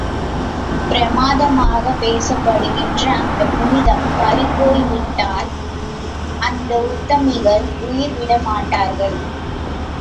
பிரமாதமாகப் பேசப்படுகின்ற அந்தப் புனிதம் பறி போய் விட்டால் அந்த உத்தமிகள் உயிர் விடமாட்டார்கள்.